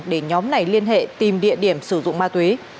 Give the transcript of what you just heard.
để nhóm này liên hệ tìm địa điểm sử dụng ma túy